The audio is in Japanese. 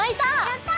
やった！